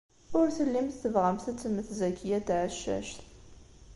Ur tellimt tebɣamt ad temmet Zakiya n Tɛeccact.